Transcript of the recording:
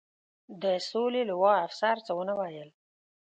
د سولې لوا، افسر څه و نه ویل.